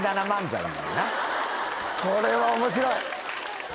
これは面白い。